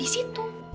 tukang itu kan